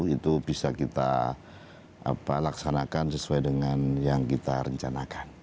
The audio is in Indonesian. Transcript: itu bisa kita laksanakan sesuai dengan yang kita rencanakan